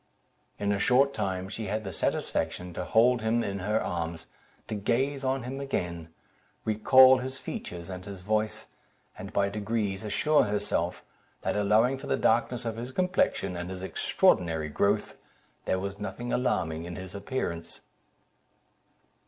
In a short time she had the satisfaction to hold him in her arms, to gaze on him again, recal his features and his voice, and by degrees assure herself, that allowing for the darkness of his complexion, and his extraordinary growth, there was nothing alarming in his appearance.